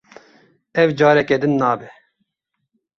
Ev, careke din nabe.